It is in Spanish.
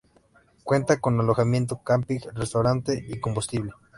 Cuenta con Alojamiento, camping, restaurante y combustible.